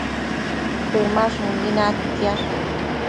Temashumbi naidtsiash